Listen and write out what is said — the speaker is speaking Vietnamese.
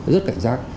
rất cảnh giác